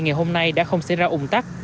ngày hôm nay đã không xảy ra ung tắc